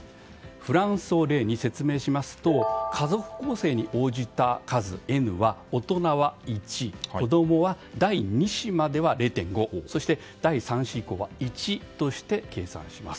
フランスを例に説明しますと家族構成に応じた数、Ｎは大人は１子供は第２子までは０．５そして第３子以降は１として計算します。